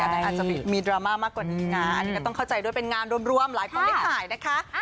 อันนี้อาจจะมีดราม่ามากกว่านี้นะอันนี้ก็ต้องเข้าใจด้วยเป็นงานรวมหลายคนได้ถ่ายนะคะ